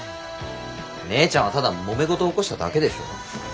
姉ちゃんはただ揉め事起こしただけでしょ。